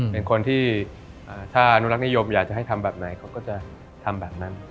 เป็นคนที่ถ้าอนุรักษ์นิยมอยากจะให้ทำแบบไหนเขาก็จะทำแบบนั้น